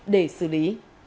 để xử lý